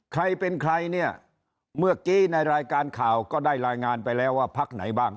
ใครเป็นใครเนี่ยเมื่อกี้ในรายการข่าวก็ได้รายงานไปแล้วว่าพักไหนบ้าง